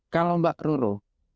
kalau mbak ruru